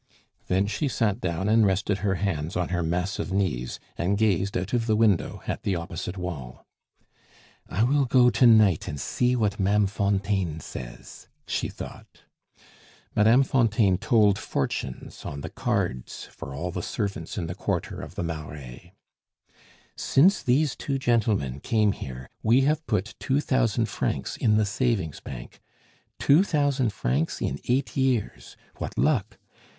Then she sat down and rested her hands on her massive knees, and gazed out of the window at the opposite wall. "I will go to night and see what Ma'am Fontaine says," she thought. (Madame Fontaine told fortunes on the cards for all the servants in the quarter of the Marais.) "Since these two gentlemen came here, we have put two thousand francs in the savings bank. Two thousand francs in eight years! What luck!